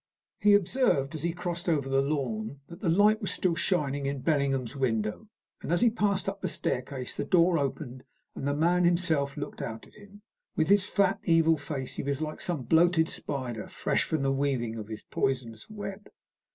He observed, as he crossed over the lawn, that the light was still shining in Bellingham's window, and as he passed up the staircase the door opened, and the man himself looked out at him. With his fat, evil face he was like some bloated spider fresh from the weaving of his poisonous web.